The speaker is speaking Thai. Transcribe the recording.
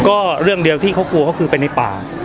ก็เรื่องเดียวที่เขากลัวก็คือไปในป่า